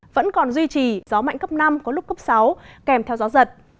vẫn còn duy trì gió mạnh cấp năm có lúc cấp sáu kèm theo gió giật